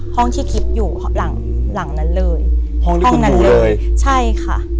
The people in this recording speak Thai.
ห้องที่คิดอยู่หลังหลังนั้นเลยห้องนั้นเลยใช่ค่ะ